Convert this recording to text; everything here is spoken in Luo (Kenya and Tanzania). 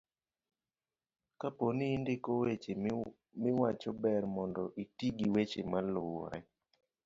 kapo ni indiko weche miwacho ber mondo iti gi weche maluwore